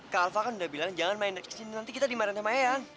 kak alva kan udah bilang jangan main main kesini nanti kita dimarantai sama eang